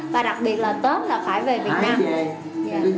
và đặc biệt là tốt là phải về việt nam